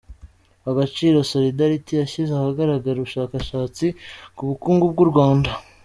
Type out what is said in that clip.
Agaciro Solidariti yashyize ahagaragara ubushakashatsi ku bukungu bw’u Rwanda